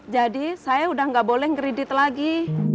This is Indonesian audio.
jadi saya udah gak boleh ngeridit lagi